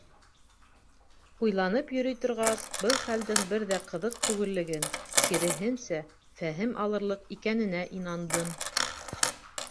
Уйланып йөрөй торғас, был хәлдең бер ҙә ҡыҙыҡ түгеллеген, киреһенсә, фәһем алырлыҡ икәненә инандым.